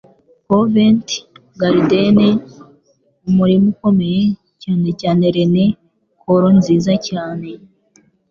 Covent Garden umurima ukomeye, cyane cyane Rene Kollo nziza cyane